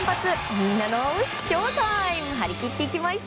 みんなのＳＨＯＷＴＩＭＥ。